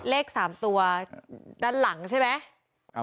เลข๓ตัวด้านหลังใช่ไหม